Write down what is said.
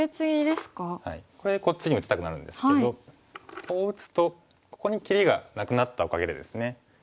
これこっちに打ちたくなるんですけどこう打つとここに切りがなくなったおかげでですね